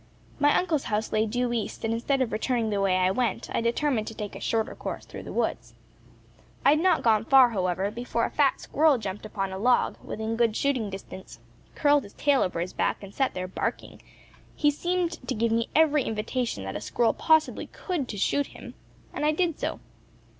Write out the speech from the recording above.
My uncle's house lay due east, and instead of returning the way I went, I determined to take a shorter course through the woods. I had not gone far, however, before a fat squirrel jumped upon a log, within good shooting distance, curled his tail over his back, and sat there barking; he seemed to give me every invitation that a squirrel possibly could to shoot him, and I did so.